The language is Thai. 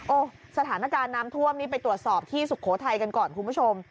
โอ้โหสถานการณ์น้ำท่วมนี้ไปตรวจสอบที่สุโขทัยกันก่อนคุณผู้ชม